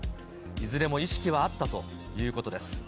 いずれも意識はあったということです。